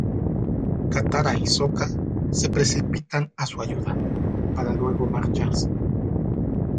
Katara y Sokka se precipitan a su ayuda, para luego marcharse.